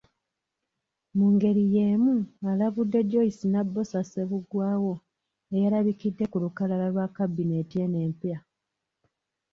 Mu ngeri y’emu alabudde Joyce Nabbosa Ssebuggwawo eyalabikidde ku lukalala lwa kabineeti eno empya.